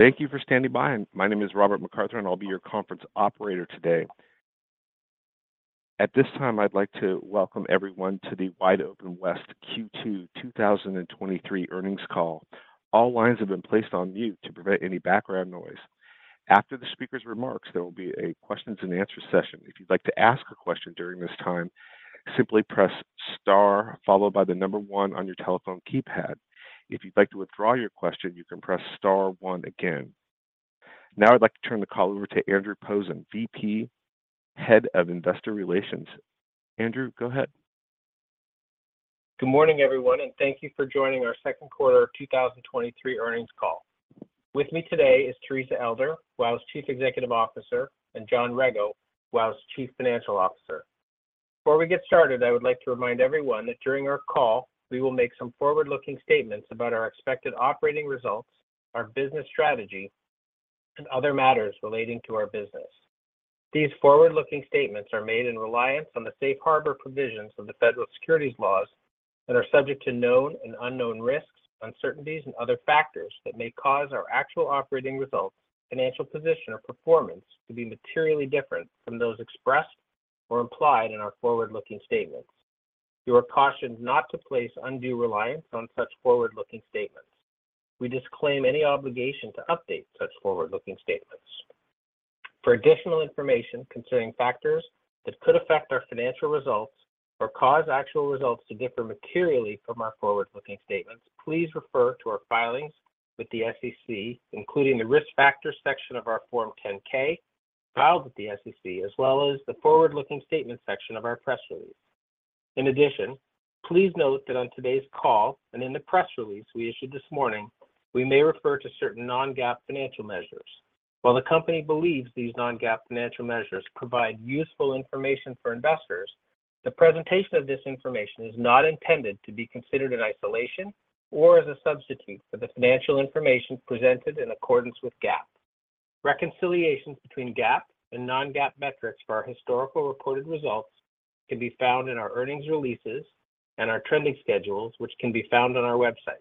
Thank you for standing by. My name is Robert McCarthy, and I'll be your conference operator today. At this time, I'd like to welcome everyone to the WideOpenWest Q2 2023 earnings call. All lines have been placed on mute to prevent any background noise. After the speaker's remarks, there will be a questions and answer session. If you'd like to ask a question during this time, simply press star, followed by the number 1 on your telephone keypad. If you'd like to withdraw your question, you can press star 1 again. Now I'd like to turn the call over to Andrew Posen, VP, Head of Investor Relations. Andrew, go ahead. Good morning, everyone, and thank you for joining our second quarter of 2023 earnings call. With me today is Teresa Elder, WOW's Chief Executive Officer, and John Rego, WOW's Chief Financial Officer. Before we get started, I would like to remind everyone that during our call, we will make some forward-looking statements about our expected operating results, our business strategy, and other matters relating to our business. These forward-looking statements are made in reliance on the safe harbor provisions of the federal securities laws and are subject to known and unknown risks, uncertainties, and other factors that may cause our actual operating results, financial position, or performance to be materially different from those expressed or implied in our forward-looking statements. You are cautioned not to place undue reliance on such forward-looking statements. We disclaim any obligation to update such forward-looking statements. For additional information concerning factors that could affect our financial results or cause actual results to differ materially from our forward-looking statements, please refer to our filings with the SEC, including the Risk Factors section of our Form 10-K filed with the SEC, as well as the Forward-Looking Statement section of our press release. In addition, please note that on today's call and in the press release we issued this morning, we may refer to certain non-GAAP financial measures. While the company believes these non-GAAP financial measures provide useful information for investors, the presentation of this information is not intended to be considered in isolation or as a substitute for the financial information presented in accordance with GAAP. Reconciliations between GAAP and non-GAAP metrics for our historical reported results can be found in our earnings releases and our trending schedules, which can be found on our website.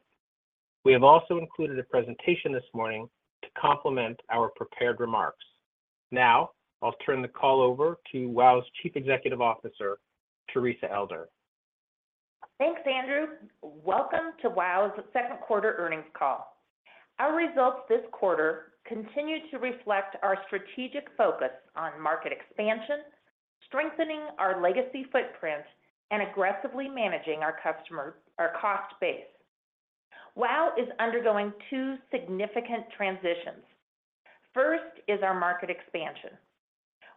We have also included a presentation this morning to complement our prepared remarks. I'll turn the call over to WOW's Chief Executive Officer, Teresa Elder. Thanks, Andrew. Welcome to WOW's second quarter earnings call. Our results this quarter continue to reflect our strategic focus on market expansion, strengthening our legacy footprint, and aggressively managing our customer, our cost base. WOW is undergoing two significant transitions. First is our market expansion.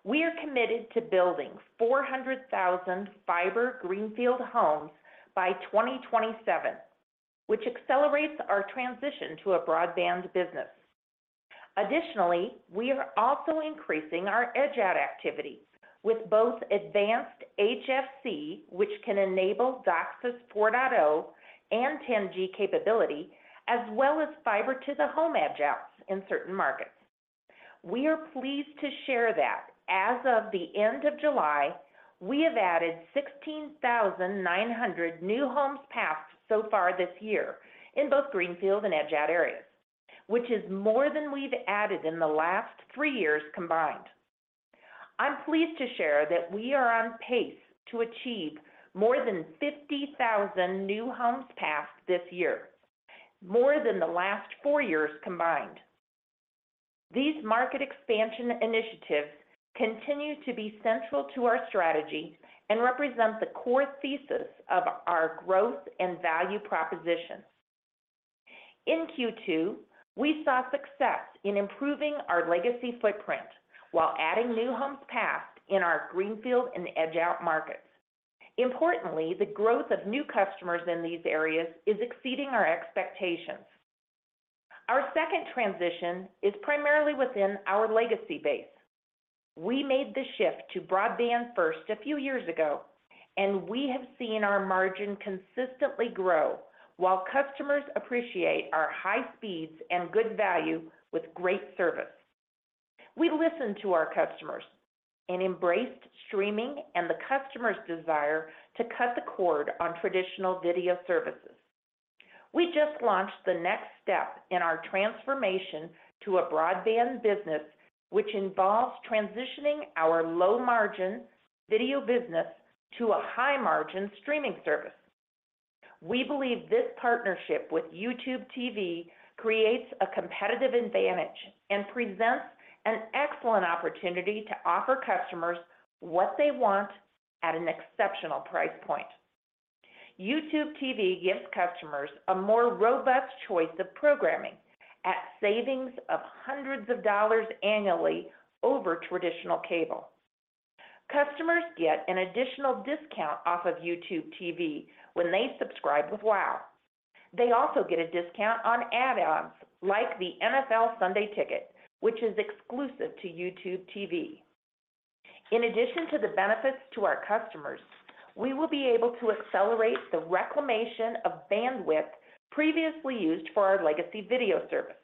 We are committed to building 400,000 fiber Greenfield homes by 2027, which accelerates our transition to a broadband business. Additionally, we are also increasing our edge-out activity with both advanced HFC, which can enable DOCSIS 4.0 and 10G capability, as well as fiber-to-the-home edge-outs in certain markets. We are pleased to share that as of the end of July, we have added 16,900 new homes passed so far this year in both Greenfield and edge-out areas, which is more than we've added in the last three years combined. I'm pleased to share that we are on pace to achieve more than 50,000 new homes passed this year, more than the last four years combined. These market expansion initiatives continue to be central to our strategy and represent the core thesis of our growth and value proposition. In Q2, we saw success in improving our legacy footprint while adding new homes passed in our Greenfield and edge-out markets. Importantly, the growth of new customers in these areas is exceeding our expectations. Our second transition is primarily within our legacy base. We made the shift to Broadband First a few years ago, and we have seen our margin consistently grow while customers appreciate our high speeds and good value with great service. We listened to our customers and embraced streaming and the customer's desire to cut the cord on traditional video services. We just launched the next step in our transformation to a broadband business, which involves transitioning our low-margin video business to a high-margin streaming service. We believe this partnership with YouTube TV creates a competitive advantage and presents an excellent opportunity to offer customers what they want at an exceptional price point. YouTube TV gives customers a more robust choice of programming at savings of hundreds of dollars annually over traditional cable. Customers get an additional discount off of YouTube TV when they subscribe with WOW. They also get a discount on add-ons like the NFL Sunday Ticket, which is exclusive to YouTube TV. In addition to the benefits to our customers, we will be able to accelerate the reclamation of bandwidth previously used for our legacy video service.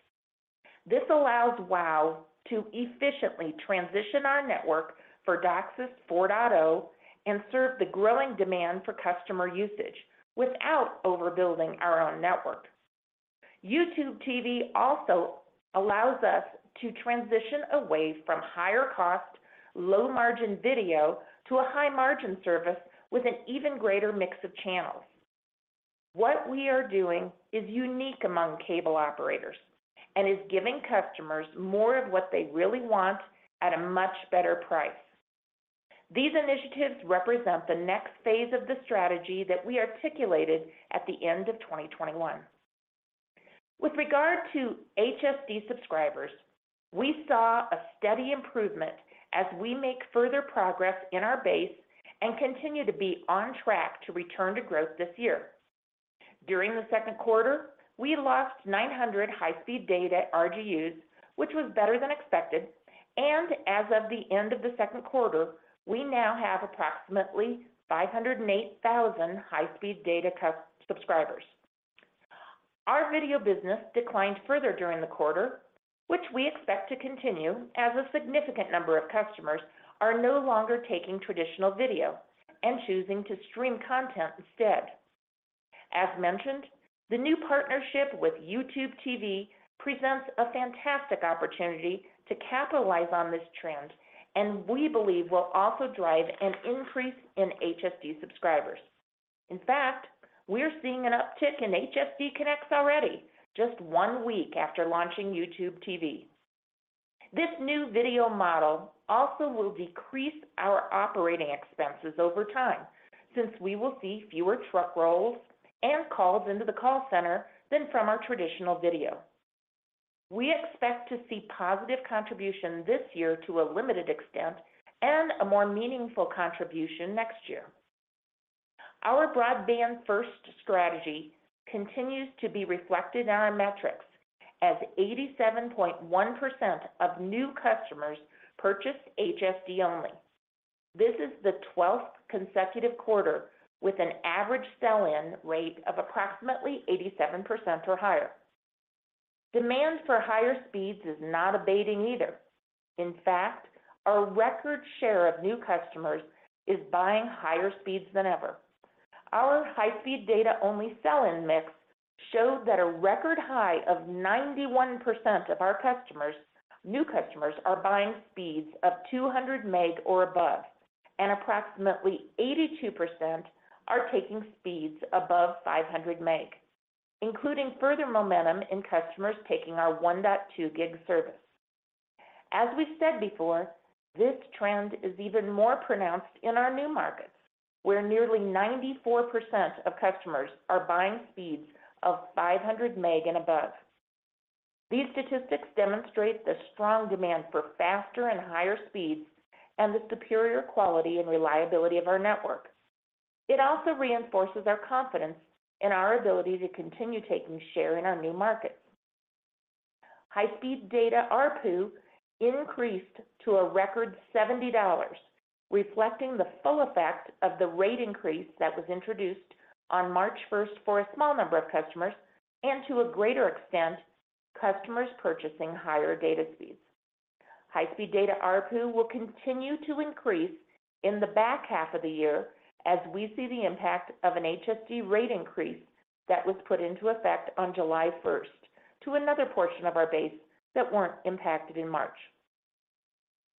This allows WOW to efficiently transition our network for DOCSIS 4.0 and serve the growing demand for customer usage without overbuilding our own network. YouTube TV also allows us to transition away from higher cost, low margin video to a high margin service with an even greater mix of channels. What we are doing is unique among cable operators and is giving customers more of what they really want at a much better price. These initiatives represent the next phase of the strategy that we articulated at the end of 2021. With regard to HSD subscribers, we saw a steady improvement as we make further progress in our base and continue to be on track to return to growth this year. During the second quarter, we lost 900 high-speed data RGUs, which was better than expected, and as of the end of the second quarter, we now have approximately 508,000 high-speed data subscribers. Our video business declined further during the quarter, which we expect to continue as a significant number of customers are no longer taking traditional video and choosing to stream content instead. As mentioned, the new partnership with YouTube TV presents a fantastic opportunity to capitalize on this trend, and we believe will also drive an increase in HSD subscribers. In fact, we're seeing an uptick in HSD connects already, just one week after launching YouTube TV. This new video model also will decrease our operating expenses over time, since we will see fewer truck rolls and calls into the call center than from our traditional video. We expect to see positive contribution this year to a limited extent and a more meaningful contribution next year. Our Broadband First strategy continues to be reflected in our metrics, as 87.1% of new customers purchased HSD only. This is the 12th consecutive quarter with an average sell-in rate of approximately 87% or higher. Demand for higher speeds is not abating either. In fact, our record share of new customers is buying higher speeds than ever. Our high-speed data-only sell-in mix showed that a record high of 91% of our customers, new customers are buying speeds of 200 Meg or above, and approximately 82% are taking speeds above 500 Meg, including further momentum in customers taking our 1.2 Gig service. As we said before, this trend is even more pronounced in our new markets, where nearly 94% of customers are buying speeds of 500 Meg and above. These statistics demonstrate the strong demand for faster and higher speeds and the superior quality and reliability of our network. It also reinforces our confidence in our ability to continue taking share in our new markets. High-speed data ARPU increased to a record $70, reflecting the full effect of the rate increase that was introduced on March 1st for a small number of customers, and to a greater extent, customers purchasing higher data speeds. High-speed data ARPU will continue to increase in the back half of the year as we see the impact of an HSD rate increase that was put into effect on July 1st to another portion of our base that weren't impacted in March.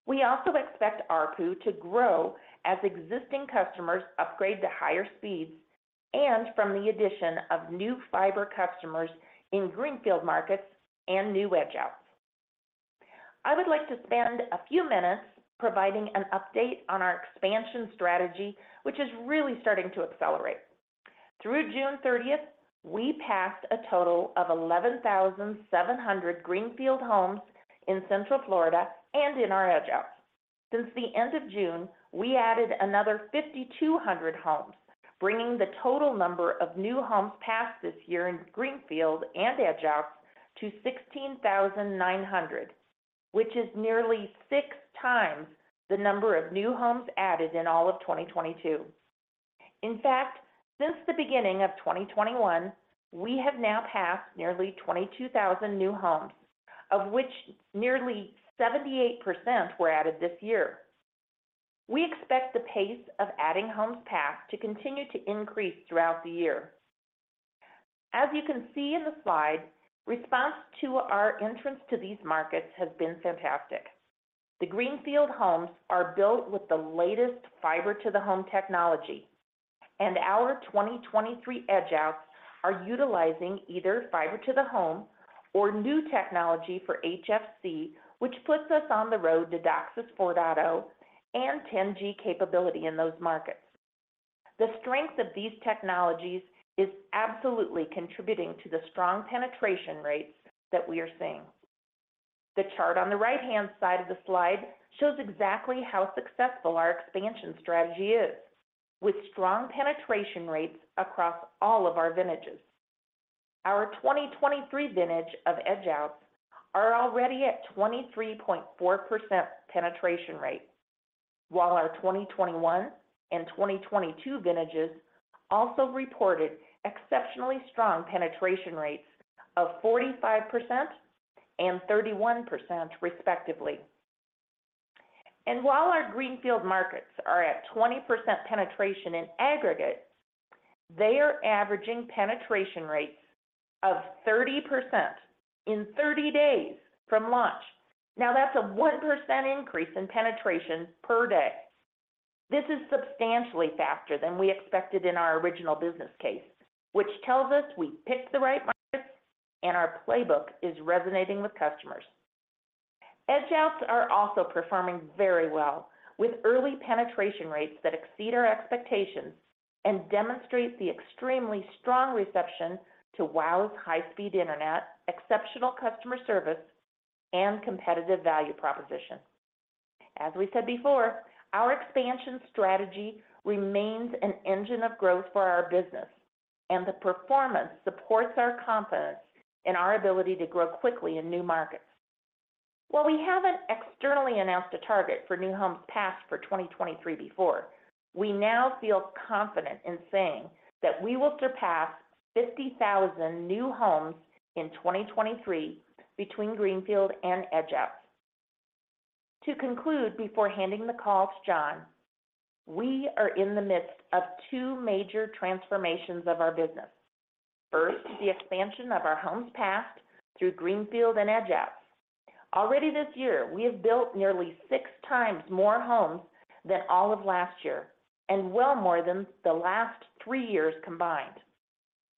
We also expect ARPU, to grow as existing customers upgrade to higher speeds and from the addition of new fiber customers in Greenfield markets and new edge-outs. I would like to spend a few minutes providing an update on our expansion strategy, which is really starting to accelerate. Through June thirtieth, we passed a total of 11,700 Greenfield homes in Central Florida and in our edge-outs. Since the end of June, we added another 5,200 homes, bringing the total number of new homes passed this year in Greenfield and edge-outs to 16,900, which is nearly six times the number of new homes added in all of 2022. In fact, since the beginning of 2021, we have now passed nearly 22,000 new homes, of which nearly 78% were added this year. We expect the pace of adding homes passed to continue to increase throughout the year. As you can see in the slide, response to our entrance to these markets has been fantastic. The Greenfield homes are built with the latest fiber-to-the-home technology, and our 2023 edge-outs are utilizing either fiber-to-the-home or new technology for HFC, which puts us on the road to DOCSIS 4.0 and 10G capability in those markets. The strength of these technologies is absolutely contributing to the strong penetration rates that we are seeing. The chart on the right-hand side of the slide shows exactly how successful our expansion strategy is, with strong penetration rates across all of our vintages. Our 2023 vintage of edge-outs are already at 23.4% penetration rate, while our 2021 and 2022 vintages also reported exceptionally strong penetration rates of 45% and 31%, respectively. While our Greenfield markets are at 20% penetration in aggregate, they are averaging penetration rates of 30% in 30 days from launch. That's a 1% increase in penetration per day. This is substantially faster than we expected in our original business case, which tells us we picked the right markets and our playbook is resonating with customers. Edge-outs are also performing very well, with early penetration rates that exceed our expectations and demonstrate the extremely strong reception to WOW's high-speed internet, exceptional customer service, and competitive value proposition. As we said before, our expansion strategy remains an engine of growth for our business, and the performance supports our confidence in our ability to grow quickly in new markets. While we haven't externally announced a target for new homes passed for 2023 before, we now feel confident in saying that we will surpass 50,000 new homes in 2023 between Greenfield and edge-outs. To conclude, before handing the call to John, we are in the midst of two major transformations of our business. First, the expansion of our homes passed through Greenfield and edge-outs. Already this year, we have built nearly six times more homes than all of last year and well more than the last three years combined.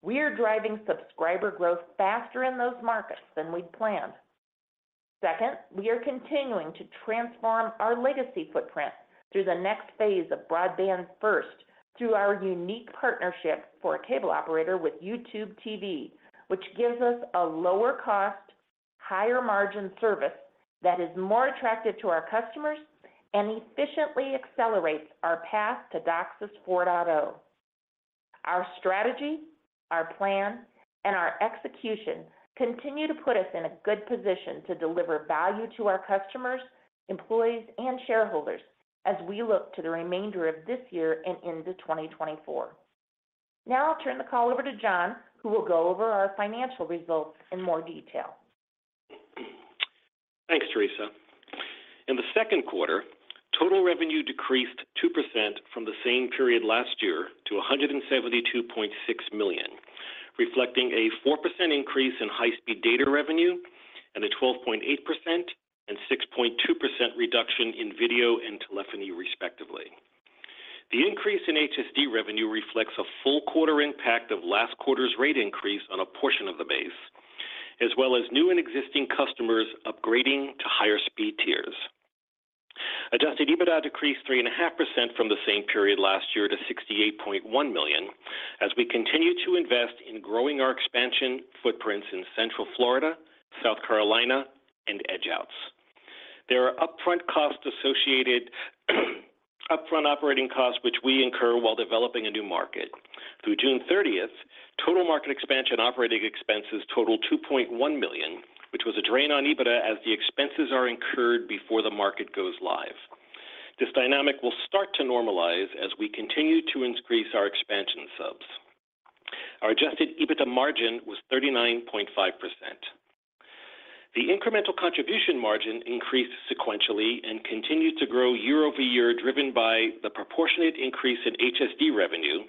We are driving subscriber growth faster in those markets than we'd planned. Second, we are continuing to transform our legacy footprint through the next phase of Broadband First through our unique partnership for a cable operator with YouTube TV, which gives us a lower cost, higher margin service that is more attractive to our customers and efficiently accelerates our path to DOCSIS 4.0. Our strategy, our plan, and our execution continue to put us in a good position to deliver value to our customers, employees, and shareholders as we look to the remainder of this year and into 2024. I'll turn the call over to John, who will go over our financial results in more detail. Thanks, Teresa, in the second quarter, total revenue decreased 2% from the same period last year to $172.6 million, reflecting a 4% increase in high-speed data revenue and a 12.8% and 6.2% reduction in video and telephony, respectively. The increase in HSD, revenue reflects a full quarter impact of last quarter's rate increase on a portion of the base, as well as new and existing customers upgrading to higher speed tiers. Adjusted EBITDA decreased 3.5% from the same period last year to $68.1 million, as we continue to invest in growing our expansion footprints in Central Florida, South Carolina, and edge-outs. There are upfront costs associated, upfront operating costs which we incur while developing a new market. Through June 30th, total market expansion operating expenses totaled $2.1 million, which was a drain on EBITDA as the expenses are incurred before the market goes live. This dynamic will start to normalize as we continue to increase our expansion subs. Our Adjusted EBITDA margin was 39.5%. The incremental contribution margin increased sequentially and continued to grow year-over-year, driven by the proportionate increase in HSD revenue,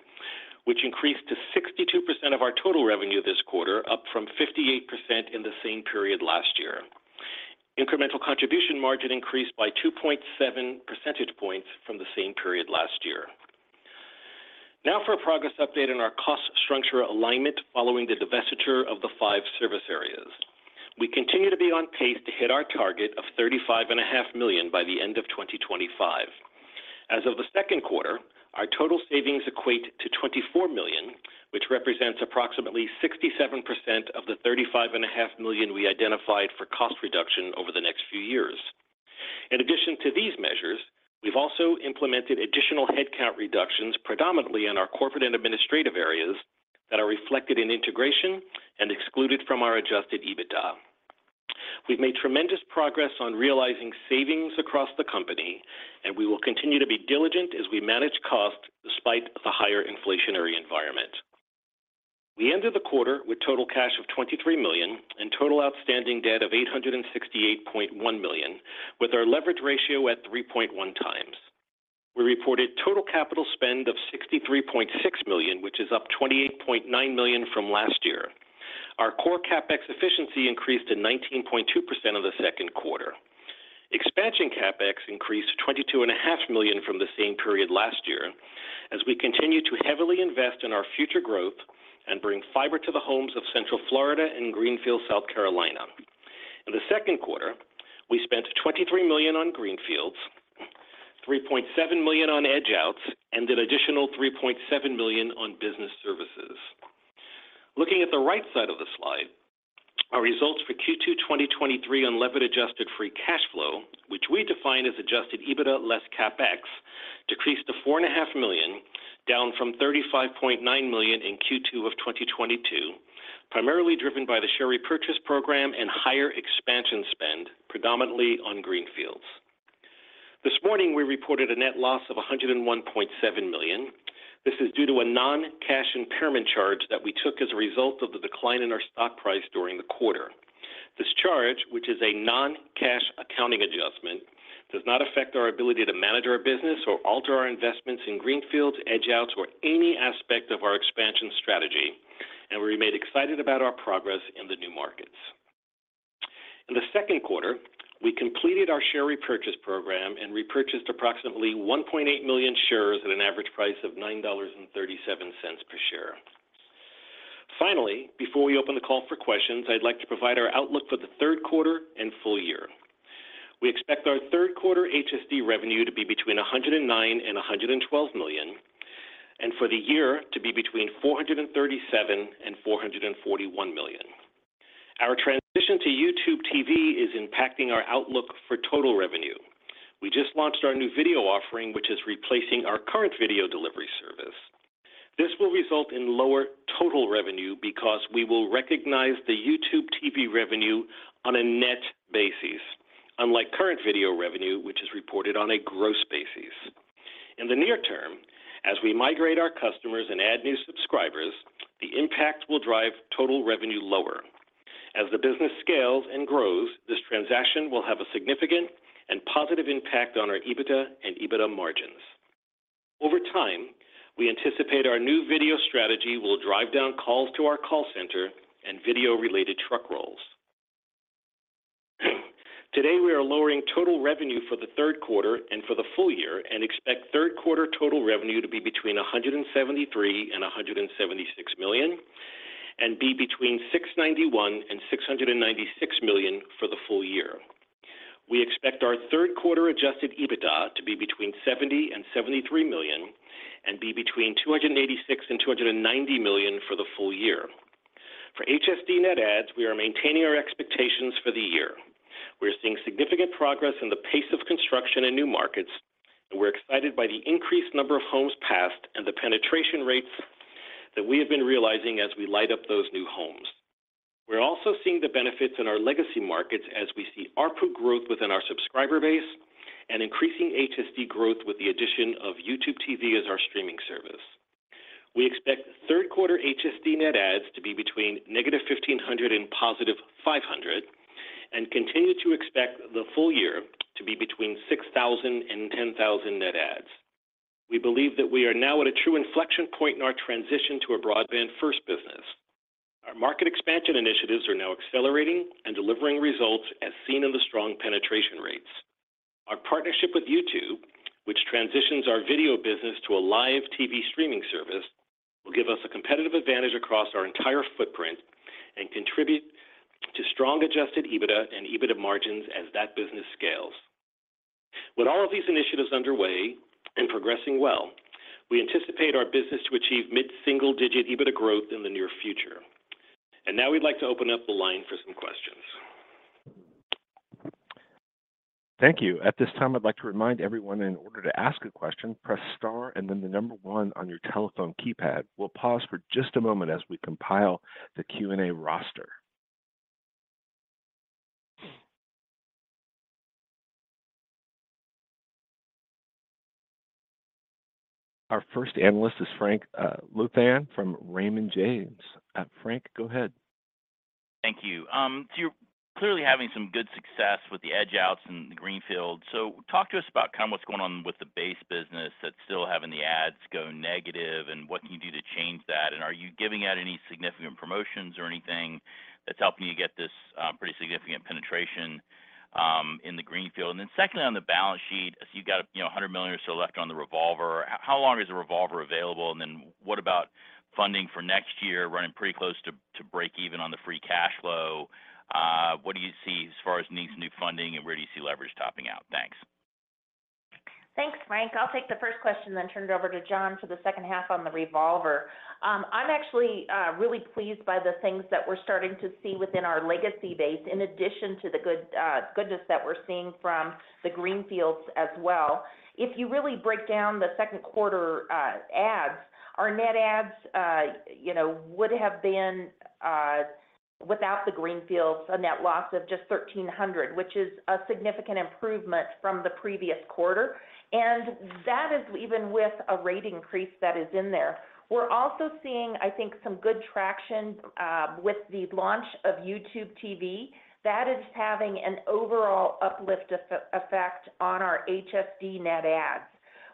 which increased to 62% of our total revenue this quarter, up from 58% in the same period last year. Incremental contribution margin increased by 2.7 percentage points from the same period last year. Now for a progress update on our cost structure alignment following the divestiture of the five service areas. We continue to be on pace to hit our target of $35.5 million by the end of 2025. As of the second quarter, our total savings equate to $24 million, which represents approximately 67% of the $35.5 million we identified for cost reduction over the next few years. In addition to these measures, we've also implemented additional headcount reductions, predominantly in our corporate and administrative areas, that are reflected in integration and excluded from our adjusted EBITDA. We've made tremendous progress on realizing savings across the company, and we will continue to be diligent as we manage costs despite the higher inflationary environment. We ended the quarter with total cash of $23 million and total outstanding debt of $868.1 million, with our leverage ratio at 3.1x. We reported total capital spend of $63.6 million, which is up $28.9 million from last year. Our core CapEx efficiency increased to 19.2% of the second quarter. Expansion CapEx increased to $22.5 million from the same period last year, as we continue to heavily invest in our future growth and bring fiber to the homes of Central Florida and Greenville, South Carolina. In the second quarter, we spent $23 million on Greenfields, $3.7 million on edge-outs, and an additional $3.7 million on business services. Looking at the right side of the slide, our results for Q2 2023 unlevered adjusted free cash flow, which we define as Adjusted EBITDA less CapEx, decreased to $4.5 million, down from $35.9 million in Q2 of 2022, primarily driven by the share repurchase program and higher expansion spend, predominantly on Greenfields. This morning, we reported a net loss of $101.7 million. This is due to a non-cash impairment charge that we took as a result of the decline in our stock price during the quarter. This charge, which is a non-cash accounting adjustment, does not affect our ability to manage our business or alter our investments in Greenfields, edge-outs, or any aspect of our expansion strategy, and we remain excited about our progress in the new markets. In the second quarter, we completed our share repurchase program and repurchased approximately 1.8 million shares at an average price of $9.37 per share. Finally, before we open the call for questions, I'd like to provide our outlook for the third quarter and full year. We expect our third quarter HSD, revenue to be between $109 million and $112 million, and for the year to be between $437 million and $441 million. Our transition to YouTube TV is impacting our outlook for total revenue. We just launched our new video offering, which is replacing our current video delivery service. This will result in lower total revenue because we will recognize the YouTube TV revenue on a net basis, unlike current video revenue, which is reported on a gross basis. In the near term, as we migrate our customers and add new subscribers, the impact will drive total revenue lower. As the business scales and grows, this transaction will have a significant and positive impact on our EBITDA and EBITDA margins. Over time, we anticipate our new video strategy will drive down calls to our call center and video-related truck rolls. Today, we are lowering total revenue for the third quarter and for the full year, and expect third quarter total revenue to be between $173 million and $176 million, and be between $691 million and $696 million for the full year. We expect our third quarter Adjusted EBITDA, to be between $70 million and $73 million, and be between $286 million and $290 million for the full year. For HSD net adds, we are maintaining our expectations for the year. We're seeing significant progress in the pace of construction in new markets, and we're excited by the increased number of homes passed and the penetration rates that we have been realizing as we light up those new homes. We're also seeing the benefits in our legacy markets as we see ARPU growth within our subscriber base and increasing HSD growth with the addition of YouTube TV as our streaming service. We expect third quarter HSD net adds to be between -1,500 and +500, and continue to expect the full year to be between 6,000 and 10,000 net adds. We believe that we are now at a true inflection point in our transition to a Broadband First business. Our market expansion initiatives are now accelerating and delivering results, as seen in the strong penetration rates. Our partnership with YouTube, which transitions our video business to a live TV streaming service, will give us a competitive advantage across our entire footprint and contribute to strong Adjusted EBITDA and EBITDA margins as that business scales. With all of these initiatives underway and progressing well, we anticipate our business to achieve mid-single-digit EBITDA growth in the near future. Now we'd like to open up the line for some questions. Thank you. At this time, I'd like to remind everyone, in order to ask a question, press star and then the 1 on your telephone keypad. We'll pause for just a moment as we compile the Q&A roster. Our first analyst is Frank Louthan from Raymond James. Frank, go ahead. Thank you. You're clearly having some good success with the edge-outs in the Greenfield. What can you do to change that? Are you giving out any significant promotions or anything that's helping you get this pretty significant penetration in the Greenfield? Then secondly, on the balance sheet, as you've got, you know, $100 million or so left on the revolver, how long is the revolver available? Then what about funding for next year, running pretty close to, to break even on the free cash flow? What do you see as far as needs new funding, and where do you see leverage topping out? Thanks. Thanks, Frank. I'll take the first question, then turn it over to John for the second half on the revolver. I'm actually really pleased by the things that we're starting to see within our legacy base, in addition to the good goodness that we're seeing from the greenfields as well. If you really break down the second quarter adds, our net adds, you know, would have been, without the greenfields, a net loss of just 1,300, which is a significant improvement from the previous quarter, and that is even with a rate increase that is in there. We're also seeing, I think, some good traction with the launch of YouTube TV. That is having an overall uplift effect on our HSD net adds.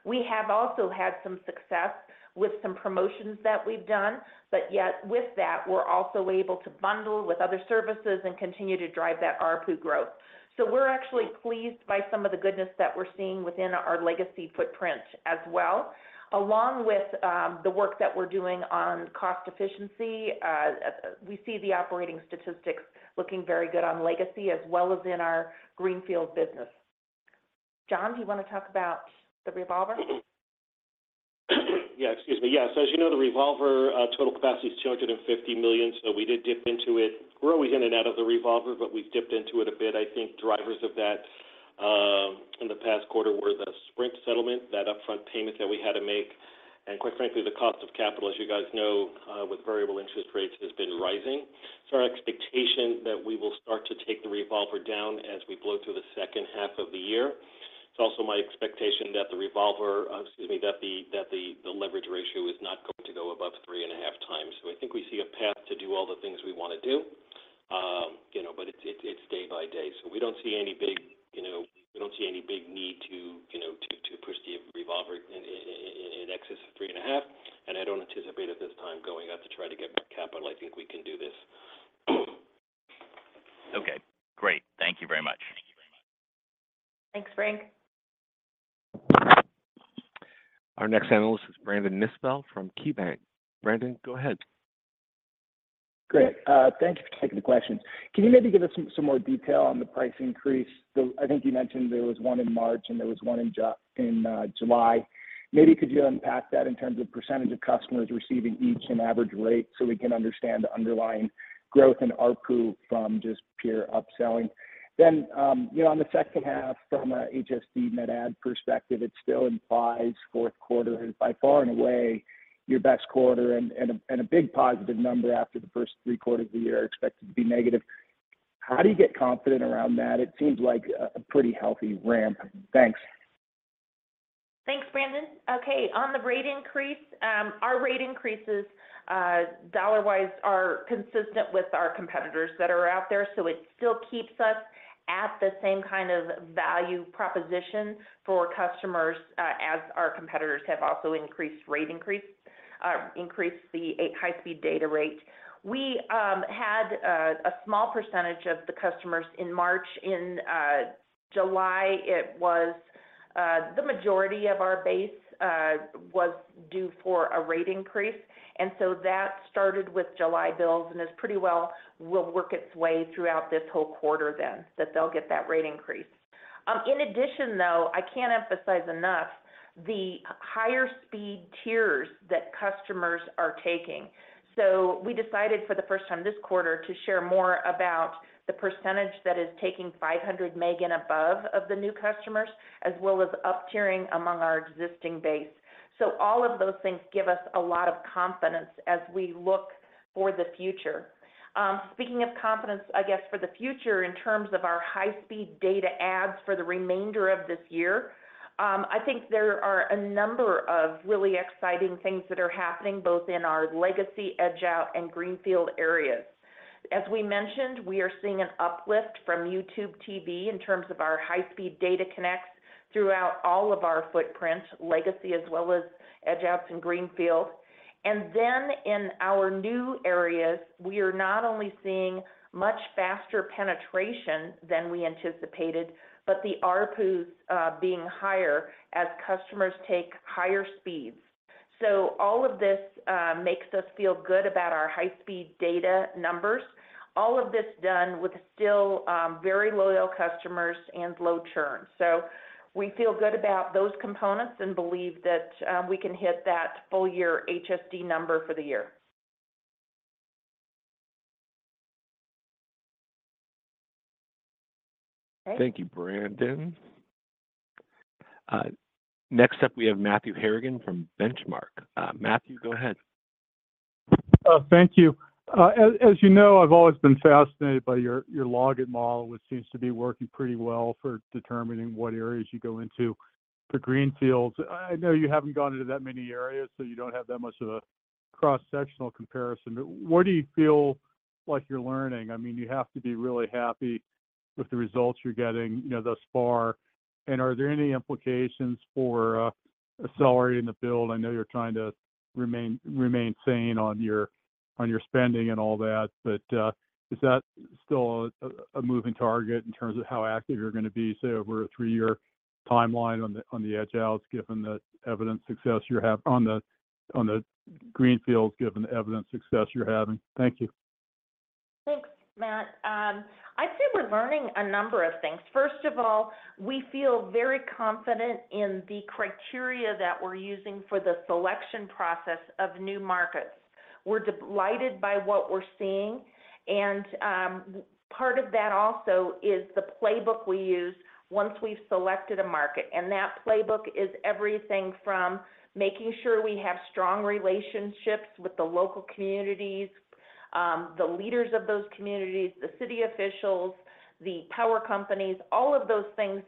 We have also had some success with some promotions that we've done, yet with that, we're also able to bundle with other services and continue to drive that ARPU growth. We're actually pleased by some of the goodness that we're seeing within our legacy footprint as well. Along with the work that we're doing on cost efficiency, we see the operating statistics looking very good on legacy as well as in our Greenfield business. John, do you want to talk about the revolver? Yeah, excuse me. Yes, as you know, the revolver, total capacity is $250 million, so we did dip into it. We're always in and out of the revolver, but we've dipped into it a bit. I think drivers of that, in the past quarter were the Sprint settlement, that upfront payment that we had to make, and quite frankly, the cost of capital, as you guys know, with variable interest rates, has been rising. Our expectation that we will start to take the revolver down as we blow through the second half of the year. It's also my expectation that the revolver, excuse me, that the leverage ratio is not going to go above 3.5 times. I think we see a path to do all the things we want to do, you know, but it's, it's, it's day by day. We don't see any big, you know, we don't see any big need to, you know, to, to push the revolver in, in, in excess of $3.5, and I don't anticipate at this time going out to try to get more capital. I think we can do this. Okay, great. Thank you very much. Thanks, Frank. Our next analyst is Brandon Nispel from KeyBanc. Brandon, go ahead. Great. Thank you for taking the questions. Can you maybe give us some, some more detail on the price increase? I think you mentioned there was one in March, and there was one in July. Maybe could you unpack that in terms of % of customers receiving each and average rate, so we can understand the underlying growth in ARPU from just pure upselling? You know, on the second half, from a HSD, net add perspective, it still implies fourth quarter is by far and away your best quarter and, and a, and a big positive number after the first three quarters of the year are expected to be negative. How do you get confident around that? It seems like a pretty healthy ramp. Thanks. Thanks, Brandon. Okay, on the rate increase, our rate increases, dollar-wise, are consistent with our competitors that are out there, so it still keeps us at the same kind of value proposition for customers, as our competitors have also increased rate increase, increased the high-speed data rate. We had a small percentage of the customers in March. In July, it was the majority of our base was due for a rate increase. So that started with July bills, and is pretty well, will work its way throughout this whole quarter then, that they'll get that rate increase. In addition, though, I can't emphasize enough the higher speed tiers that customers are taking. We decided for the first time this quarter, to share more about the % that is taking 500 meg and above of the new customers, as well as up-tiering among our existing base. All of those things give us a lot of confidence as we look for the future. Speaking of confidence, I guess, for the future, in terms of our high-speed data adds for the remainder of this year, I think there are a number of really exciting things that are happening, both in our legacy edge out and Greenfield areas. As we mentioned, we are seeing an uplift from YouTube TV in terms of our high-speed data connects throughout all of our footprints, legacy as well as edge outs and Greenfield. Then in our new areas, we are not only seeing much faster penetration than we anticipated, but the ARPUs being higher as customers take higher speeds. All of this makes us feel good about our high-speed data numbers. All of this done with still very loyal customers and low churn. We feel good about those components and believe that we can hit that full year HSD number for the year. Thank you, Brandon. Next up, we have Matthew, Matthew, go ahead. Thank you. As you know, I've always been fascinated by your logit model, which seems to be working pretty well for determining what areas you go into for greenfields. I know you haven't gone into that many areas, so you don't have that much of a cross-sectional comparison, but what do you feel like you're learning? I mean, you have to be really happy with the results you're getting, you know, thus far. Are there any implications for accelerating the build? I know you're trying to remain, remain sane on your on your spending and all that but is that still a moving target in terms of how active you're going to be say over a three year timeline on the on the edge outs, given the evident success you have on the Greenfields, given the evident success you're having? Thank you. Thanks, Matt. I'd say we're learning a number of things. First of all, we feel very confident in the criteria that we're using for the selection process of new markets. We're delighted by what we're seeing, part of that also is the playbook we use once we've selected a market. That playbook is everything from making sure we have strong relationships with the local communities, the leaders of those communities, the city officials, the power companies, all of those things,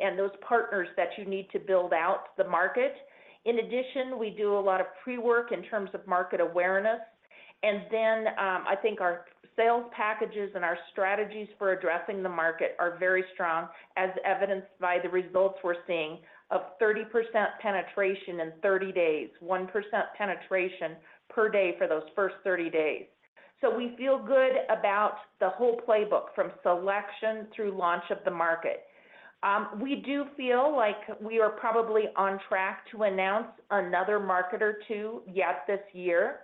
and those partners that you need to build out the market. In addition, we do a lot of pre-work in terms of market awareness. I think our sales packages and our strategies for addressing the market are very strong, as evidenced by the results we're seeing of 30% penetration in 30 days, 1% penetration per day for those first 30 days. We feel good about the whole playbook, from selection through launch of the market. We do feel like we are probably on track to announce another market or two yet this year.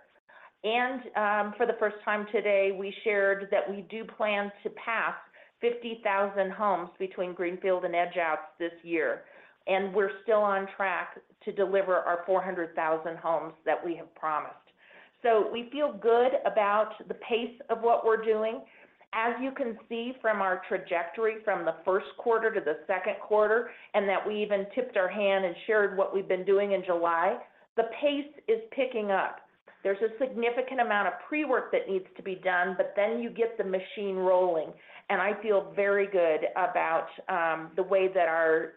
For the first time today, we shared that we do plan to pass 50,000 homes between Greenfield and Edge Outs this year, and we're still on track to deliver our 400,000 homes that we have promised. We feel good about the pace of what we're doing. As you can see from our trajectory from the first quarter to the second quarter, that we even tipped our hand and shared what we've been doing in July, the pace is picking up. There's a significant amount of pre-work that needs to be done, then you get the machine rolling, and I feel very good about the way that our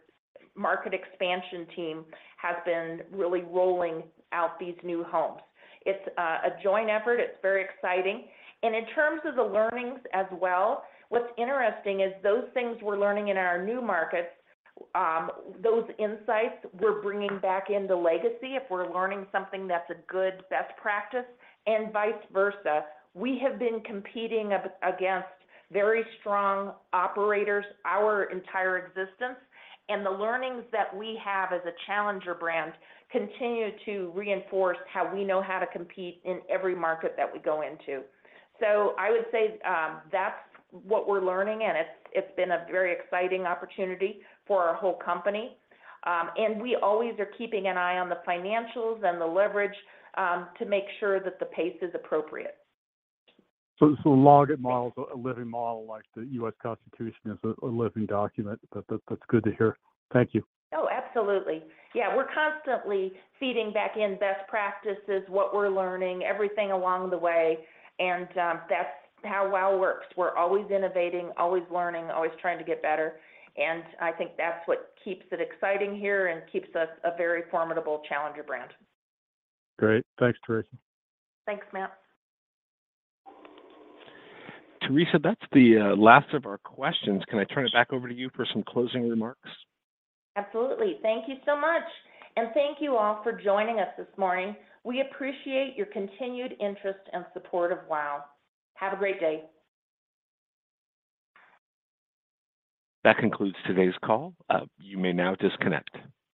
market expansion team has been really rolling out these new homes. It's a joint effort. It's very exciting. In terms of the learnings as well, what's interesting is those things we're learning in our new markets, those insights we're bringing back into Legacy, if we're learning something that's a good best practice, and vice versa. We have been competing against very strong operators our entire existence, and the learnings that we have as a challenger brand continue to reinforce how we know how to compete in every market that we go into. I would say, that's what we're learning, and it's, it's been a very exciting opportunity for our whole company. We always are keeping an eye on the financials and the leverage, to make sure that the pace is appropriate. logit model's a living model, like the U.S. Constitution is a living document. That's good to hear. Thank you. Oh, absolutely. Yeah, we're constantly feeding back in best practices, what we're learning, everything along the way, and that's how WOW works. We're always innovating, always learning, always trying to get better, and I think that's what keeps it exciting here and keeps us a very formidable challenger brand. Great. Thanks, Teresa. Thanks, Matt. Teresa, that's the last of our questions. Can I turn it back over to you for some closing remarks? Absolutely. Thank you so much, and thank you all for joining us this morning. We appreciate your continued interest and support of WOW. Have a great day. That concludes today's call. You may now disconnect.